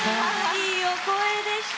いいお声でした。